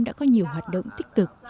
đã có nhiều hoạt động tích tực